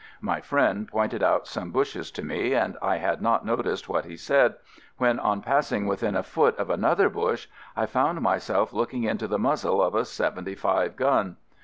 My friend pointed out some bushes to me, and I had not noticed what he said, when on passing within a foot of another bush I found myself looking into the muzzle of a "75" gun.